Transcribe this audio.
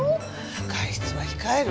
外出は控える。